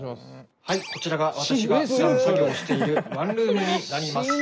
はいこちらが私がふだん作業しているワンルームになります。